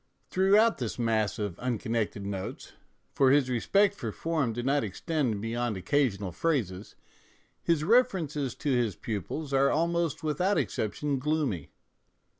Throughout this mass of unconnected notes for his respect for form did not extend beyond occasional phrases his references to his pupils are almost without exception gloomy.